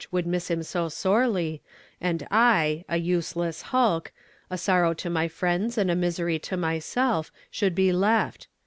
; wouhl miss him so sovely, and I, a useless hi.'k, a sorrow to my friends and a misery to myKelf, should be left!